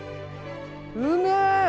うめえ！